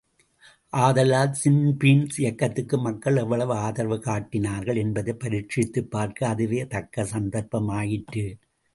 ஆதலால் ஸின்பீன் இயக்கத்துக்கு மக்கள் எவ்வளவு ஆதரவு காட்டினார்கள் என்பதைப் பரீட்சித்துப் பார்க்க அதுவே தக்க சந்தர்ப்பமாயிற்று.